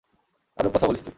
আজব কথা বলিস তুই!